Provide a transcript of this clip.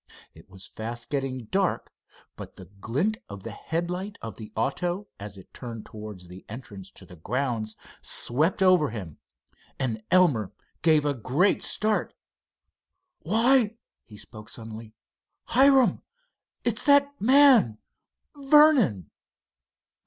It was fast getting dark, but the glint of the headlight of the auto as it turned towards the entrance to the grounds swept over him, and Elmer gave a great start. "Why," he spoke suddenly, "Hiram, it's that man—Vernon!"